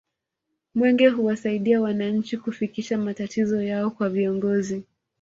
mwenge huwasaidia wananchi kufikisha matatizo yao kwa viongozi